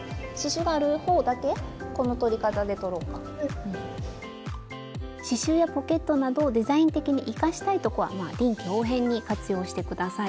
スタジオ刺しゅうやポケットなどデザイン的に生かしたいとこは臨機応変に活用して下さい。